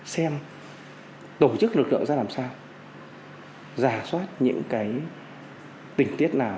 xem tổ chức lực lượng ra làm sao giả soát những cái tình tiết nào